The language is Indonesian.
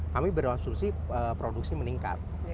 kami berasumsi produksi meningkat